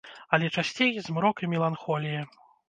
Але часцей змрок і меланхолія.